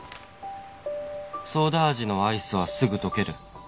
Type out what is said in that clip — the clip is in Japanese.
「ソーダ味のアイスはすぐ溶ける」